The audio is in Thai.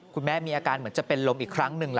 คุณแม่มีอาการเหมือนจะเป็นลมอีกครั้งหนึ่ง